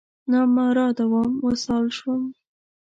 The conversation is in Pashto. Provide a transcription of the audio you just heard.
نامراده وم، وصال شوم